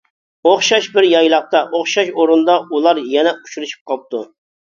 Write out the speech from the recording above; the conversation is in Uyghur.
ئوخشاش بىر يايلاقتا، ئوخشاش ئورۇندا ئۇلار يەنە ئۇچرىشىپ قاپتۇ.